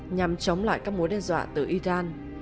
nhằm chống lại các mối đe dọa từ iran